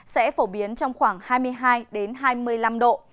sẽ phổ biến trong khoảng hai mươi hai hai mươi năm độ